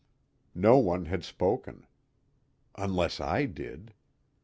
No one had spoken. _Unless I did.